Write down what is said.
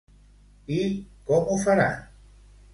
I com ho faran?